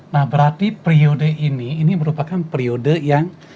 nah berarti periode ini ini merupakan periode yang